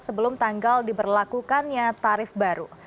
sebelum tanggal diberlakukannya tarif baru